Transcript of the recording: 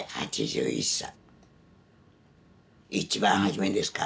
一番初めですか？